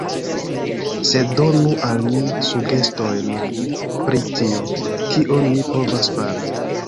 Sed, donu al mi sugestojn, pri tio, kion mi povas fari.